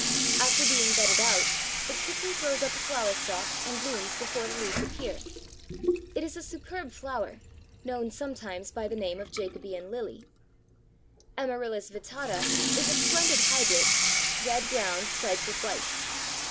After being bedded out, it quickly throws up a flower stalk and blooms before the leaves appear. It is a superb flower, known sometimes by the name of Jacobean Lily. Amaryllis vittata is a splendid hybrid, red ground striped with white.